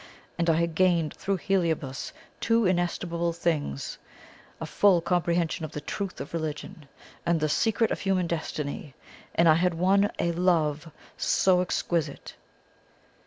And I had gained through Heliobas two inestimable things a full comprehension of the truth of religion, and the secret of human destiny; and I had won a LOVE so exquisite!"